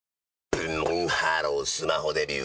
ブンブンハロースマホデビュー！